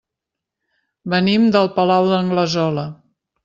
Venim del Palau d'Anglesola.